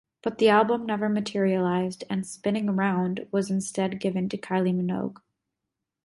But the album never materialized, and "Spinning Around" was instead given to Kylie Minogue.